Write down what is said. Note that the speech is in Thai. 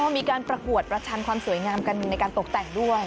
มีการประกวดประชันความสวยงามกันในการตกแต่งด้วย